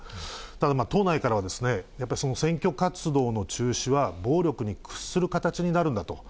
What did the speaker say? ただ、党内からは、やっぱり選挙活動の中止は暴力に屈する形になるんだと。